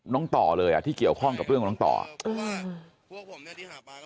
ต่อเลยอ่ะที่เกี่ยวข้องกับเรื่องของน้องต่ออืม